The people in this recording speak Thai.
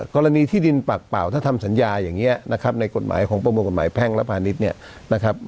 กรณีที่ดินปากเปล่าถ้าทำสัญญาอย่างนี้นะครับในกฎหมายของประมวลกฎหมายแพ่งและพาณิชย์เนี่ยนะครับ